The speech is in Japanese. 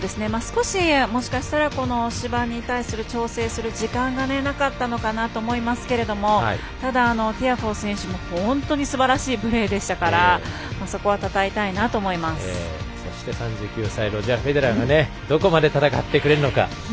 もしかしたら芝に対する調整する時間がなかったのかなと思いますけどただ、ティアフォー選手も本当にすばらしいプレーでしたからそして３９歳ロジャー・フェデラーがどこまで戦ってくれるのか。